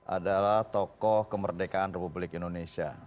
adalah tokoh kemerdekaan republik indonesia